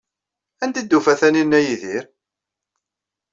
Anda ay d-tufa Taninna Yidir?